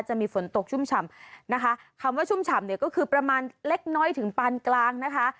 จะมีฝนตกชุ่มฉ่ำนะคะคำว่าชุ่มฉ่ำเนี่ยก็คือประมาณเล็กน้อยถึงปานกลางนะคะ